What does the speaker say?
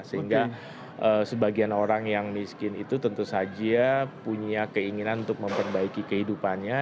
sehingga sebagian orang yang miskin itu tentu saja punya keinginan untuk memperbaiki kehidupannya